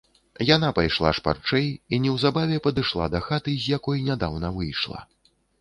Яна пайшла шпарчэй і неўзабаве падышла да хаты, з якой нядаўна выйшла.